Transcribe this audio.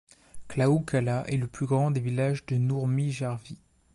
Klaukkala est le plus grand des villages de Nurmijärvi.